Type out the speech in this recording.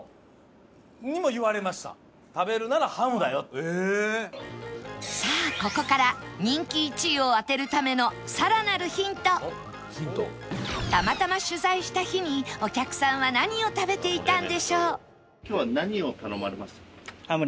僕のさあここから人気１位を当てるためのたまたま取材した日にお客さんは何を食べていたんでしょう？